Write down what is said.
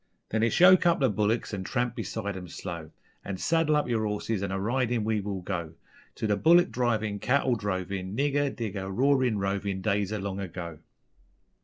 _Then it's yoke up the bullicks and tramp beside 'em slow, An' saddle up yer horses an' a ridin' we will go, To the bullick drivin', cattle drovin', Nigger, digger, roarin', rovin' Days o' long ago.